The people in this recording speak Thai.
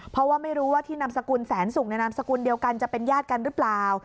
เพราะว่าไม่รู้ว่าที่นามสกุลแสนสุกในนามสกุลเดียวกันจะเป็นญาติกันหรือเปล่า